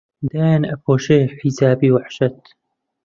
دایان ئەپۆشێ حیجابی وەحشەت